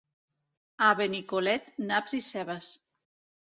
A Benicolet, naps i cebes.